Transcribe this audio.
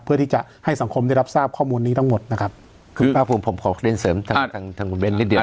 เพื่อที่จะให้สังคมได้รับทราบข้อมูลนี้ทั้งหมดนะครับคือป้าภูมิผมขอเกร็นเสริมทางทางทางคุณเบนเล็กเดียวนะครับ